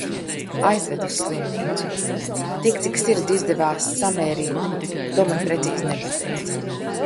Aizveda uz slimnīcu. Tik cik sirdi izdevās samērīt, to man precīzi nepateica.